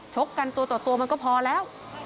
ชกกันตัวต่อตัวมันก็พอแล้ว